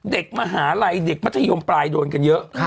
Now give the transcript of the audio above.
มหาลัยเด็กมัธยมปลายโดนกันเยอะ